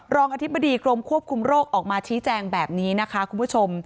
รองอธิบดีกรมควบคุมโรคออกมาชี้แจงแบบนี้นะคะคุณผู้ชม